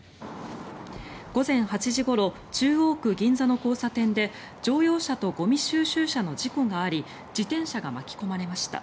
午前８時ごろ中央区銀座の交差点で乗用車とゴミ収集車の事故があり自転車が巻き込まれました。